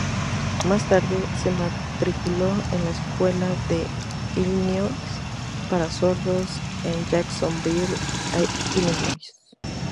Más tarde, se matriculó en la Escuela de Illinois para Sordos en Jacksonville, Illinois.